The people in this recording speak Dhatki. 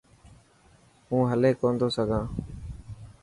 هون هلي ڪون ٿو سگھان.